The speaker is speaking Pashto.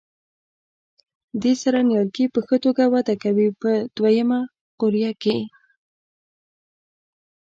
دې سره نیالګي په ښه توګه وده کوي په دوه یمه قوریه کې.